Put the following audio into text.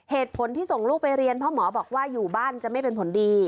เหตุผลที่ส่งลูกไปเรียนเพราะหมอบอกว่าอยู่บ้านจะไม่เป็นผลดี